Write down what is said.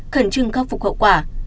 khẩn trưng khắc phục hậu quả